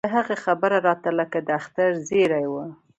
د هغه خبره راته لکه د اختر زېرى و.